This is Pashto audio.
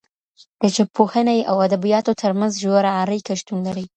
د ژبپوهني او ادبیاتو ترمنځ ژوره اړیکه شتون لري.